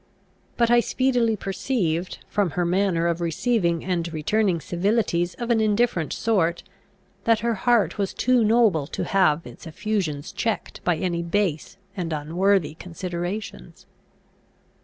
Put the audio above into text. But I speedily perceived, from her manner of receiving and returning civilities of an indifferent sort, that her heart was too noble to have its effusions checked by any base and unworthy considerations.